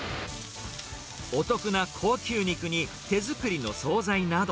お得な高級肉に、手作りの総菜など。